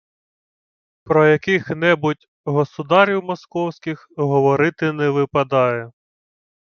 Про яких-небудь «государів московських» говорити не випадає